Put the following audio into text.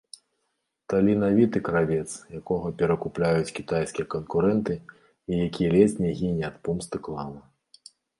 Таленавіты кравец, якога перакупляюць кітайскія канкурэнты і які ледзь не гіне ад помсты клана.